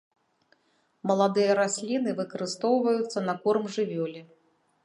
Маладыя расліны выкарыстоўваюцца на корм жывёле.